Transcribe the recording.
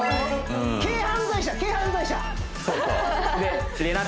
軽犯罪者軽犯罪者玲奈